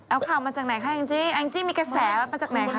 เอาข่าวมาจากไหนคะแองจี้แองจี้มีกระแสมาจากไหนคะ